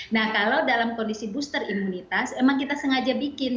nah kalau dalam kondisi booster imunitas memang kita sengaja bikin